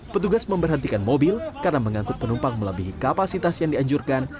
petugas memberhentikan mobil karena mengangkut penumpang melebihi kapasitas yang dianjurkan